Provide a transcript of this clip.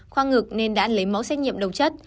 khoa ngực nên đã lấy mẫu xét nghiệm đầu chất